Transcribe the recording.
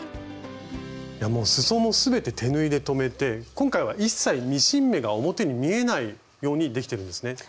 もうすそも全て手縫いで留めて今回は一切ミシン目が表に見えないようにできてるんですね。